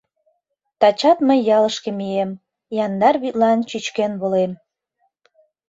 Тачат мый ялышке мием, Яндар вӱдлан чӱчкен волем.